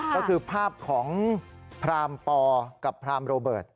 ก็คือภาพของพรามปอกับพรามโรเบิร์ต